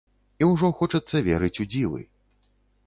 І ўжо хочацца верыць у дзівы.